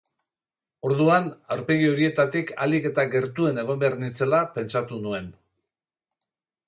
Orduan, aurpegi horietatik ahalik eta gertuen egon behar nintzela pentsatu nuen.